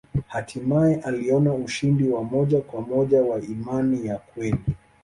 Hatimaye aliona ushindi wa moja kwa moja wa imani ya kweli.